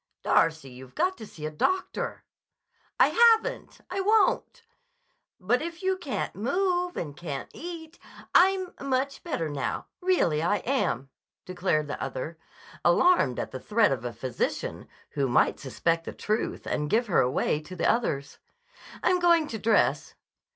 "Darcy, you've got to see a doctor." "I haven't! I won't!" "But if you can't move and can't eat—" "I'm much better now. Really I am," declared the other, alarmed at the threat of a physician, who might suspect the truth and give her away to the others. "I'm going to dress."